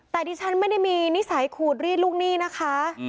แต่ดิฉันไม่ได้มีนิสัยขูดรีดลูกหนี้นะคะ